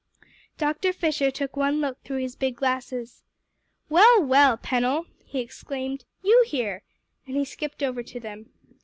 Dr. Fisher took one look through his big glasses. "Well, well, Pennell," he exclaimed, "you here?" and he skipped over to them.